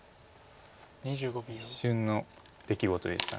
一瞬の出来事でした。